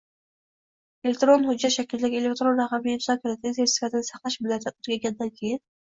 Elektron hujjat shaklidagi elektron raqamli imzo kalitining sertifikatini saqlash muddati tugaganidan keyin